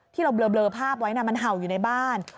ที่เราเบลอภาพไว้มันเห่าอยู่ในบ้าน